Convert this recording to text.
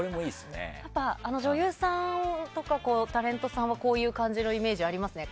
女優さんとかタレントさんはこういう感じのイメージがありますね。